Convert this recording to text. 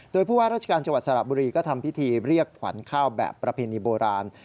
โดยผู้ว่าราชการจังหวัดสระบุรีก็ทำพิธีเรียกขวัญข้าวแบบประเพณีโบราณ